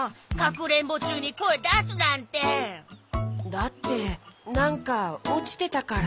だってなんかおちてたから。